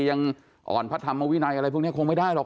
ยังอ่อนพระธรรมวินัยอะไรพวกนี้คงไม่ได้หรอก